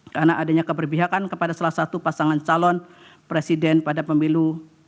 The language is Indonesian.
karena adanya keberpihakan kepada salah satu pasangan calon presiden pada pemilu dua ribu dua puluh empat